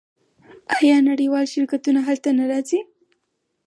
آیا نړیوال شرکتونه هلته نه راځي؟